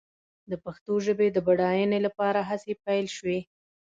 د پښتو ژبې د بډاینې لپاره هڅې پيل شوې.